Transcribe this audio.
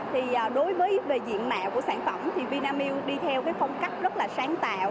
thì đối với về diện mạo của sản phẩm thì vinamilk đi theo cái phong cách rất là sáng tạo